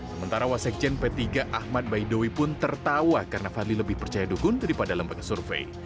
sementara wasekjen p tiga ahmad baidowi pun tertawa karena fadli lebih percaya dukun daripada lembaga survei